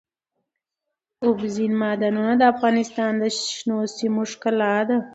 اوبزین معدنونه د افغانستان د شنو سیمو ښکلا ده.